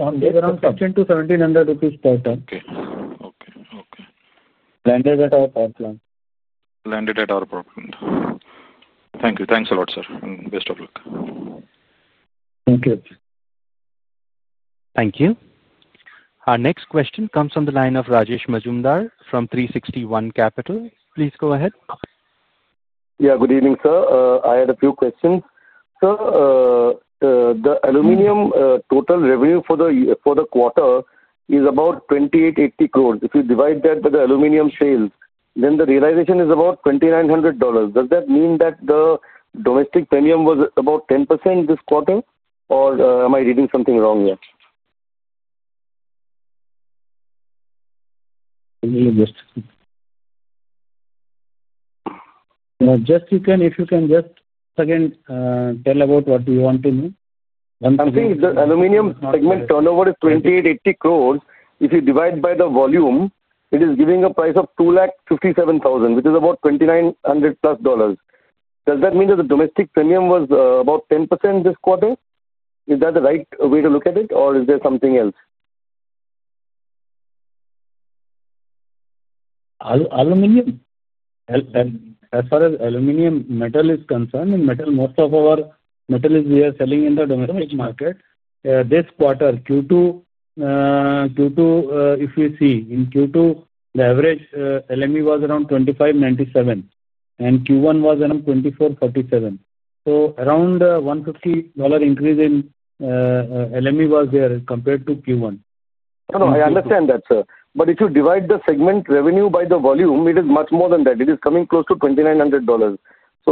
rupees, around INR 1,600-INR 1,700 per ton. Okay, okay. Landed at our power plant. Landed at our power plant. Thank you. Thanks a lot, sir. Best of luck. Thank you. Thank you. Our next question comes from the line of Rajesh Majumdar from 361 Capital. Please go ahead. Yeah, good evening, sir. I had a few questions. Sir, the aluminium total revenue for the quarter is about 2,880 crore. If you divide that by the aluminium sales, then the realization is about $2,900. Does that mean that the domestic premium was about 10% this quarter, or am I reading something wrong here? Just if you can just again tell about what you want to know? I'm seeing the aluminium segment turnover is 2,880 crore. If you divide by the volume, it is giving a price of 257,000, which is about $2,900 plus. Does that mean that the domestic premium was about 10% this quarter? Is that the right way to look at it, or is there something else? As far as aluminum metal is concerned, and metal, most of our metal is we are selling in the domestic market this quarter. Q2, if you see, in Q2, the average LME was around $2,597, and Q1 was around $2,447. So around $150 increase in LME was there compared to Q1. No, no, I understand that, sir. If you divide the segment revenue by the volume, it is much more than that. It is coming close to $2,900.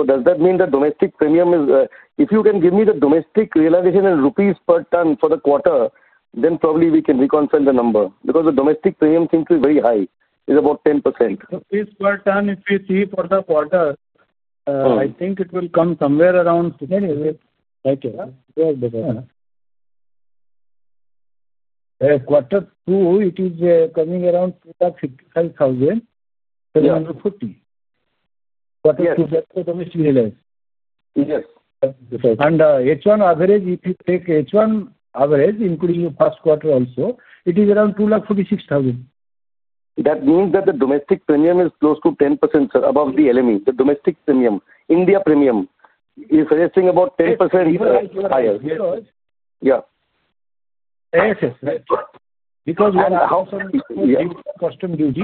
Does that mean the domestic premium is, if you can give me the domestic realization in INR per ton for the quarter, then probably we can reconcile the number. The domestic premium seems to be very high. It is about 10%. Rupees per ton, if you see for the quarter, I think it will come somewhere around. Thank you. Quarter two, it is coming around 255,000-340. Quarter two, that is the domestic realization. And H1 average, if you take H1 average, including the past quarter also, it is around 246,000. That means that the domestic premium is close to 10%, sir, above the LME, the domestic premium. India premium is suggesting about 10% higher. Yeah. Yes, yes. Because we have customs duty.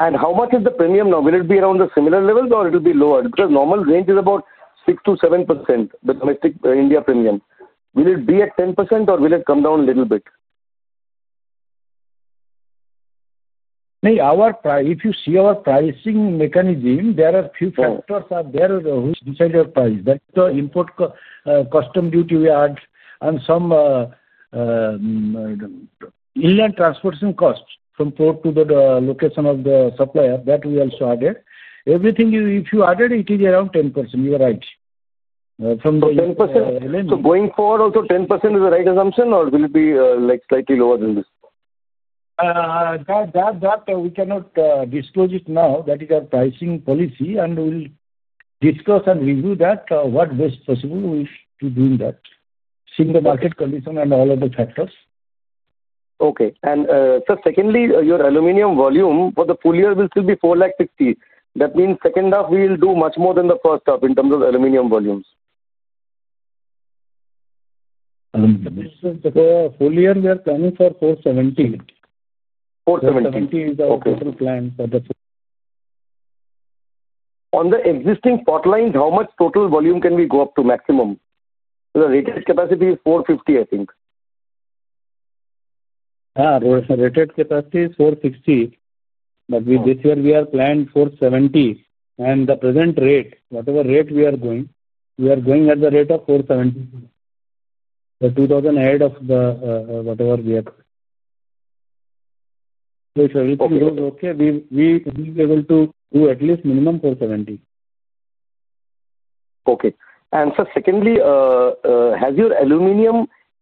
How much is the premium now? Will it be around the similar level, or will it be lower? Because normal range is about 6-7%, the domestic India premium. Will it be at 10%, or will it come down a little bit? If you see our pricing mechanism, there are a few factors out there which decide your price. That's the import customs duty we add and some inland transportation costs from port to the location of the supplier that we also added. Everything, if you added, it is around 10%. You're right. 10%. Going forward also, 10% is the right assumption, or will it be slightly lower than this? That we cannot disclose it now. That is our pricing policy, and we'll discuss and review that, what best possible to doing that, seeing the market condition and all of the factors. Okay. And sir, secondly, your aluminum volume for the full year will still be 460. That means second half, we will do much more than the first half in terms of aluminum volumes. This is the full year we are planning for 470. 470. 470 is our total plan for the full year. On the existing pot lines, how much total volume can we go up to maximum? The rated capacity is 450, I think. Rated capacity is 460. This year, we are planned 470. At the present rate, whatever rate we are going, we are going at the rate of 470. The 2,000 ahead of whatever we have. If everything goes okay, we will be able to do at least minimum 470. Okay. Sir, secondly, has your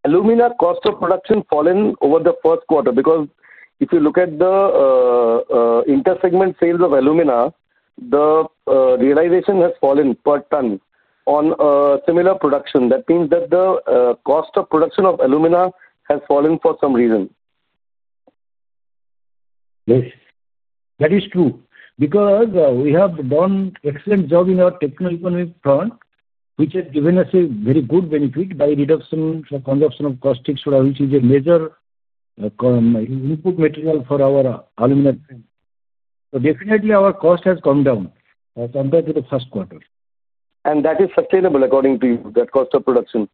alumina cost of production fallen over the first quarter? Because if you look at the inter-segment sales of alumina, the realization has fallen per ton on similar production. That means that the cost of production of alumina has fallen for some reason. Yes. That is true. Because we have done excellent job in our technical economy front, which has given us a very good benefit by reduction for consumption of caustic, which is a major input material for our alumina. So definitely, our cost has come down compared to the first quarter. That is sustainable according to you, that cost of production?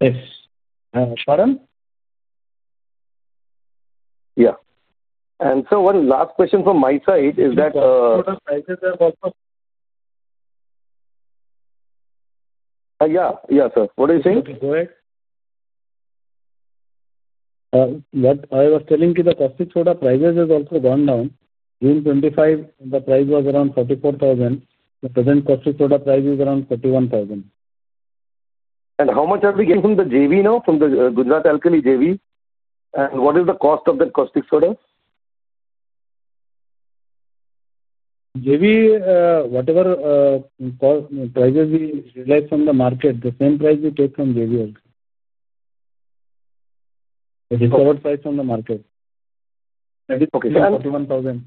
Yes. Answered? Yeah. Sir, one last question from my side is that. Yeah, sir. What do you think? What I was telling you, the caustic soda prices have also gone down. June 25, the price was around 44,000. The present caustic soda price is around 41,000. How much have we gained from the JV now, from the Gujarat Alkalies JV? What is the cost of that caustic soda? JV, whatever prices we realize from the market, the same price we take from JV also. The discovered price from the market. That is 41,000.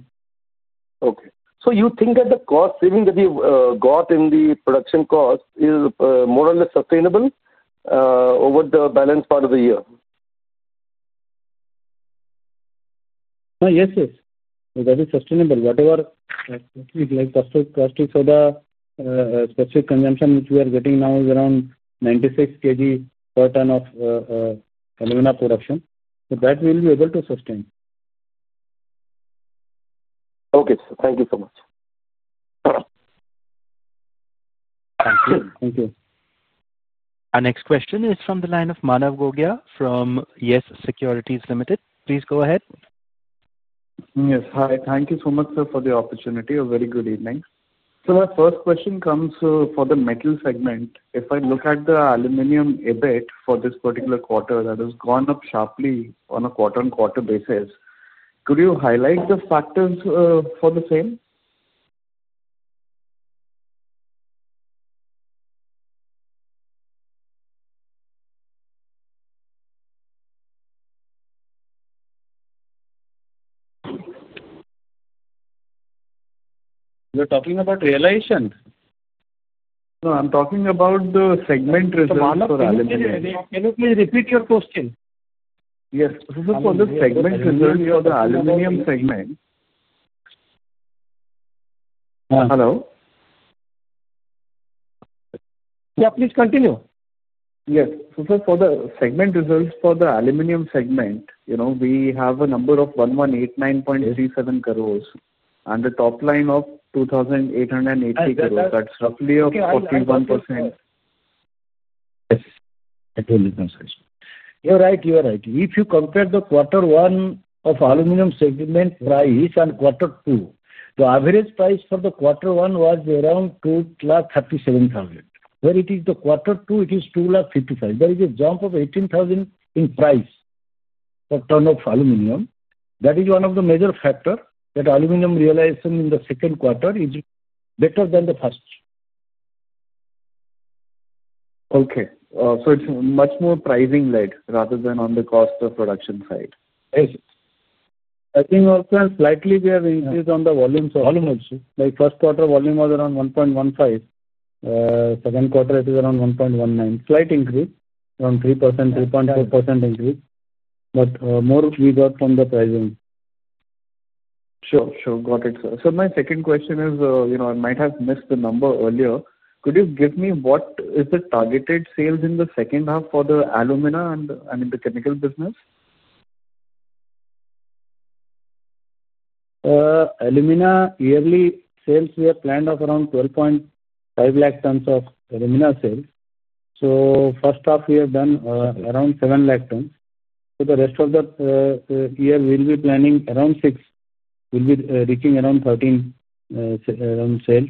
Okay. So you think that the cost saving that you got in the production cost is more or less sustainable over the balance part of the year? Yes, yes. That is sustainable. Whatever caustic soda, specific consumption which we are getting now is around 96 kg per ton of alumina production. So that we will be able to sustain. Okay, sir. Thank you so much. Thank you. Thank you. Our next question is from the line of Manav Gogia from Yes Securities Limited. Please go ahead. Yes. Hi. Thank you so much, sir, for the opportunity. A very good evening. Sir, my first question comes for the metal segment. If I look at the aluminium EBIT for this particular quarter, that has gone up sharply on a quarter-on-quarter basis. Could you highlight the factors for the same? You're talking about realization? No, I'm talking about the segment results for aluminum. Can you please repeat your question? Yes. So, sir, for the segment results for the aluminum segment. Hello? Yeah, please continue. Yes. So, sir, for the segment results for the aluminum segment, we have a number of 1,189.37 crore and a top line of 2,880 crore. That's roughly a 41%. Yes. You're right. You're right. If you compare the quarter one of aluminum segment price and quarter two, the average price for the quarter one was around 237,000. Where it is the quarter two, it is 255,000. There is a jump of 18,000 in price per ton of aluminum. That is one of the major factors that aluminum realization in the second quarter is better than the first. Okay. So it's much more pricing-led rather than on the cost of production side. Yes. I think also slightly we have increased on the volumes also. Like first quarter volume was around 1.15. Second quarter, it is around 1.19. Slight increase, around 3%, 3.4% increase. More we got from the pricing. Sure, sure. Got it, sir. Sir, my second question is, I might have missed the number earlier. Could you give me what is the targeted sales in the second half for the alumina and the chemical business? Alumina yearly sales we have planned of around 1.25 million tons of alumina sales. First half, we have done around 700,000 tons. The rest of the year, we'll be planning around 600,000. We'll be reaching around 1.3 million sales.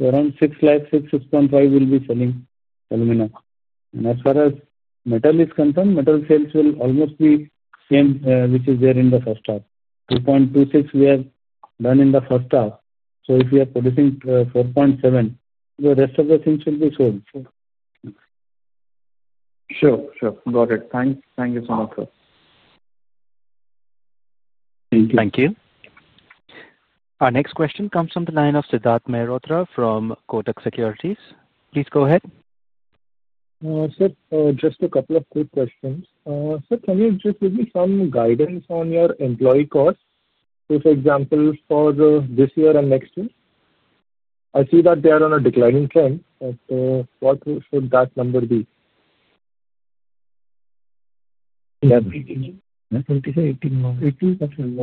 Around 600,000-650,000 will be selling alumina. As far as metal is concerned, metal sales will almost be same, which is there in the first half. 226,000 we have done in the first half. If we are producing 470,000, the rest of the things should be sold. Sure, sure. Got it. Thank you so much, sir. Thank you. Thank you. Our next question comes from the line of Siddharth Mehrotra from Kotak Securities. Please go ahead. Sir, just a couple of quick questions. Sir, can you just give me some guidance on your employee cost? For example, for this year and next year. I see that they are on a declining trend. What should that number be? Yeah, 2018. 18%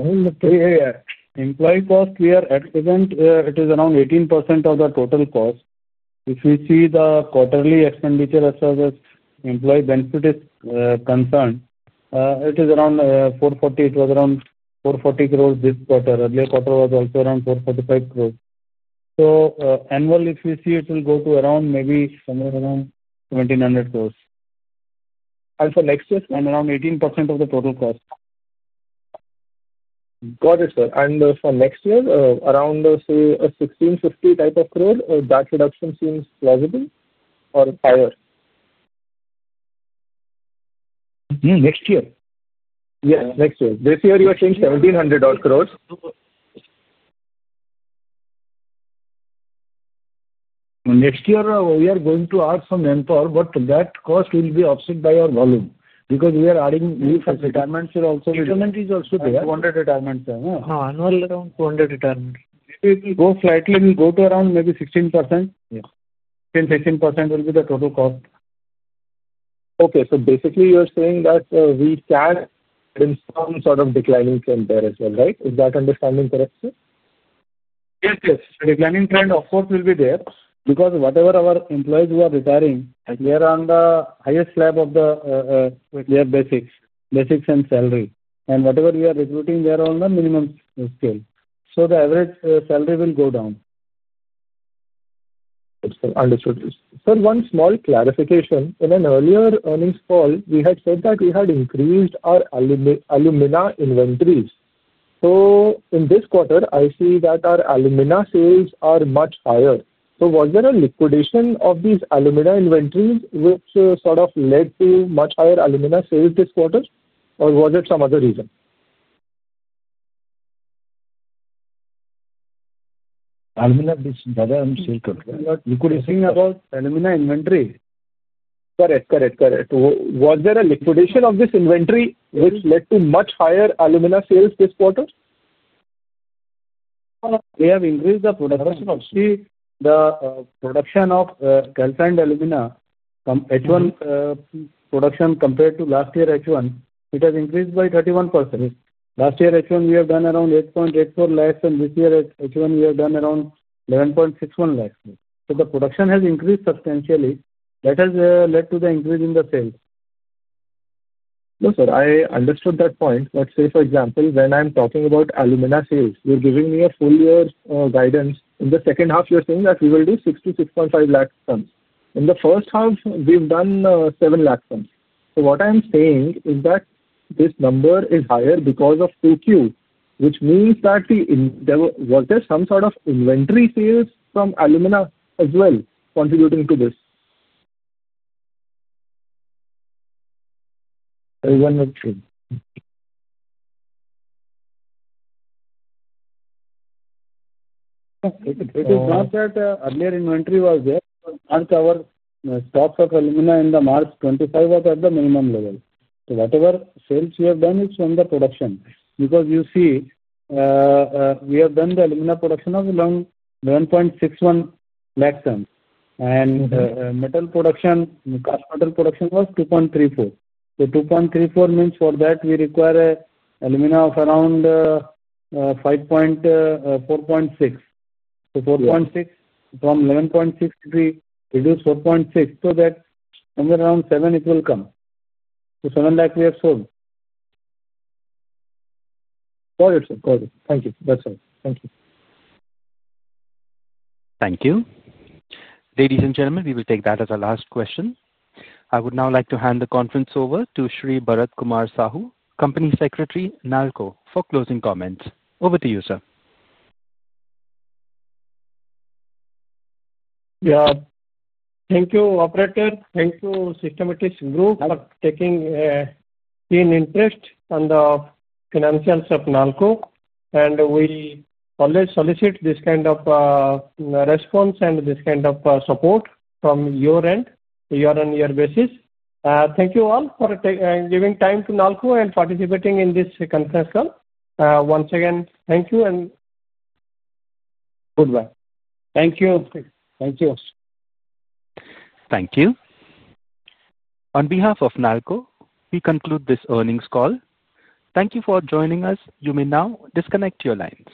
more. Employee cost, we are at present, it is around 18% of the total cost. If we see the quarterly expenditure as far as employee benefit is concerned, it is around 440 crore. It was around 440 crore this quarter. Earlier quarter was also around 445 crore. Annual, if we see, it will go to around maybe somewhere around 1,700 crore. For next year, it is around 18% of the total cost. Got it, sir. For next year, around, say, 1,650 crore, that reduction seems plausible or higher? Next year? Yes, next year. This year, you are saying 1,700 crore? Next year, we are going to add some NPL, but that cost will be offset by our volume because we are adding new facilities. Retirements will also be. Retirement is also there. 200 retirements, sir. Annual around 200 retirements. Go slightly, go to around maybe 16%. 10-15% will be the total cost. Okay. So basically, you are saying that we can install some sort of declining trend there as well, right? Is that understanding correct, sir? Yes, yes. Declining trend, of course, will be there because whatever our employees who are retiring, they are on the highest slab of their basics and salary. Whatever we are recruiting, they are on the minimum scale. The average salary will go down. Understood. Sir, one small clarification. In an earlier earnings call, we had said that we had increased our alumina inventories. In this quarter, I see that our alumina sales are much higher. Was there a liquidation of these alumina inventories which sort of led to much higher alumina sales this quarter? Or was it some other reason? Alumina sales? You're talking about alumina inventory? Correct, correct, correct. Was there a liquidation of this inventory which led to much higher alumina sales this quarter? We have increased the production of calcined alumina from H1 production compared to last year H1. It has increased by 31%. Last year H1, we have done around 8.84 lakh, and this year H1, we have done around 11.61 lakh. The production has increased substantially. That has led to the increase in the sales. No, sir, I understood that point. For example, when I'm talking about alumina sales, you're giving me a full year guidance. In the second half, you're saying that we will do 600,000-650,000 tons. In the first half, we've done 700,000 tons. What I'm saying is that this number is higher because of 2Q, which means that there was some sort of inventory sales from alumina as well contributing to this. That is one more thing. It is not that earlier inventory was there. Once our stock of alumina in March 2025 was at the minimum level. Whatever sales we have done is from the production. Because you see, we have done the alumina production of around 161,000 tons. And metal production, cast metal production was 234,000. 234,000 means for that, we require alumina of around 546,000. 460,000 from 1,163,000 reduce 460,000. That somewhere around 700,000, it will come. 700,000 we have sold. Got it, sir. Got it. Thank you. That's all. Thank you. Thank you. Ladies and gentlemen, we will take that as our last question. I would now like to hand the conference over to Shri Bharat Kumar Sahu, Company Secretary, NALCO, for closing comments. Over to you, sir. Yeah. Thank you, Operator. Thank you, Systematics Group, for taking keen interest on the financials of NALCO. We always solicit this kind of response and this kind of support from your end, year-on-year basis. Thank you all for giving time to NALCO and participating in this conference call. Once again, thank you. Goodbye. Thank you. Thank you. Thank you. On behalf of NALCO, we conclude this earnings call. Thank you for joining us. You may now disconnect your lines.